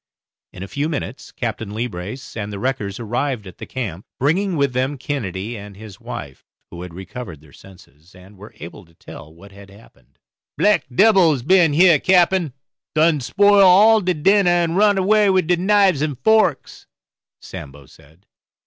In a few minutes Captain Leebrace and the wreckers arrived at the camp, bringing with them Kennedy and his wife, who had recovered their senses, and were able to tell what had happened. "Black debbils been heah, cappen, done spoil all de dinner, and run away wid de knives and forks," Sambo said.